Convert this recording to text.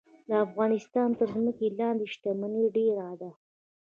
د افغانستان تر ځمکې لاندې شتمني ډیره ده